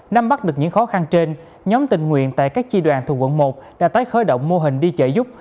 năm bắt được những khó khăn trên nhóm tình nguyện tại các chi đoàn thuộc quận một đã tái khởi động mô hình đi trợ giúp